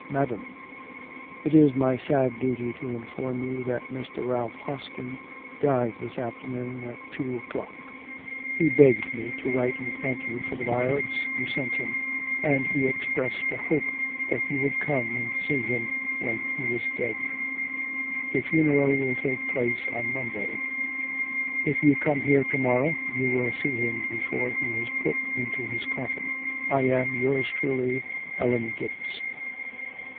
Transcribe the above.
'MADAM, It is my sad duty to inform you that Mr. Ralph Hoskin died this afternoon at two o'clock. He begged me to write and thank you for the violets you sent him, and he expressed a hope that you would come and see him when he was dead. 'The funeral will take place on Monday. If you come here to morrow, you will see him before he is put into his coffin. I am, yours truly, 'ELLEN GIBBS.'